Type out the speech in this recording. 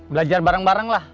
belajar bareng bareng lah